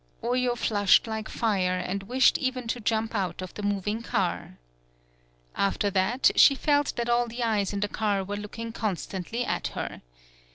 Oyo flushed like fire, and wished even to jump out of the moving car. After that she felt that all the eyes in the car were looking constantly at her.